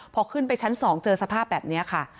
พอขึ้นไปชั้น๒เจอสภาพแบบนี้ค่ะ